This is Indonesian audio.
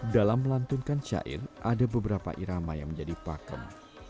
dalam melantunkan syair ada beberapa irama yang menjadi pakem